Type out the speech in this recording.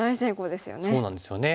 そうなんですよね。